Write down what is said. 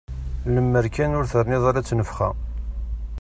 Lemmer kan ur terniḍ ara ttnefxa.